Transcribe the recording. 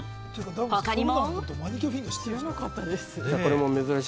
他にも。